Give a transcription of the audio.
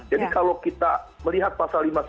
jadi kalau kita melihat pasal lima puluh sembilan